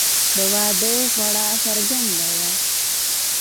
د واده خواړه څرنګه وو؟